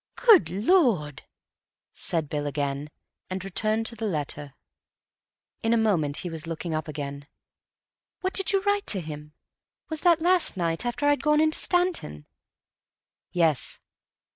"Good Lord!" said Bill again, and returned to the letter. In a moment he was looking up again. "What did you write to him? Was that last night? After I'd gone into Stanton?" "Yes."